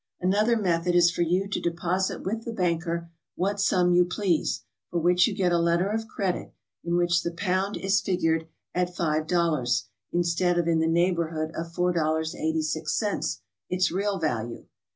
Another method is for you to deposit with the banker what sum you please, for which you get a letter of credit in which the pound is figured at $5, instead of in the neigh borhood of $4.86, its real value.